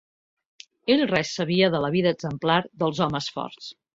Ell res sabia de la vida exemplar dels homes forts